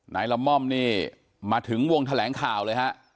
ละม่อมนี่มาถึงวงแถลงข่าวเลยฮะ